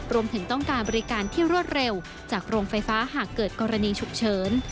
รวมถึงต้องการบริการที่รวดเร็วจากโรงไฟฟ้าหากเกิดกรณีฉุกเฉิน